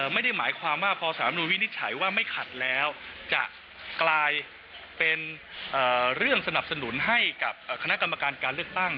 ไม่ได้หมายความว่าพอสารมนุนวินิจฉัยว่าไม่ขัดแล้วจะกลายเป็นเรื่องสนับสนุนให้กับคณะกรรมการการเลือกตั้ง